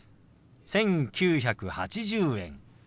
「１９８０円」。